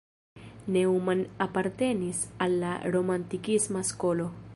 Neumann apartenis al la romantikisma skolo.